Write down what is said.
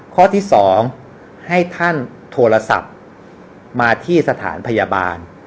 ข้อที่๒ให้ท่านโทรศัพท์มาที่สถานพยาบาล